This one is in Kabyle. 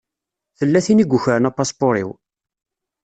Tella tin i yukren apaspuṛ-iw.